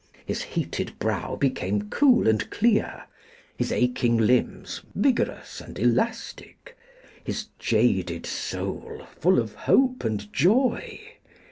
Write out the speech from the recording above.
His heated brow became cool and clear, his aching limbs vigorous and elastic, his jaded soul full of hope and joy.